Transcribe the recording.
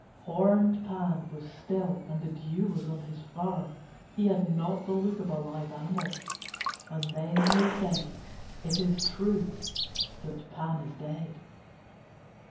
Horned Pan was still and the dew was on his fur; he had not the look of a live animal. And then they said, "It is true that Pan is dead."